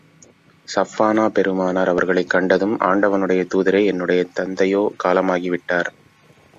ஸஃப்பானா பெருமானார் அவர்களைக் கண்டதும், ஆண்டவனுடைய தூதரே, என்னுடைய தந்தையோ காலமாகி விட்டார்.